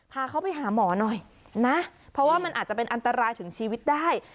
พาเขาไปหาหมอหน่อยนะเพราะว่ามันอาจจะเป็นอันตรายถึงชีวิตได้